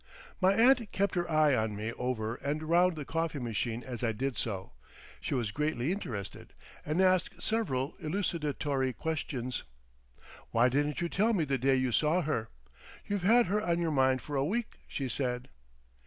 My aunt kept her eye on me over and round the coffee machine as I did so. She was greatly interested, and asked several elucidatory questions. "Why didn't you tell me the day you saw her? You've had her on your mind for a week," she said.